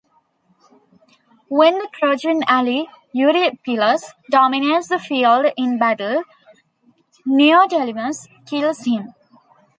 When the Trojan ally Eurypylus dominates the field in battle, Neoptolemus kills him.